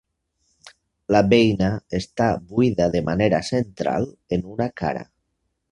La beina està buida de manera central en una cara.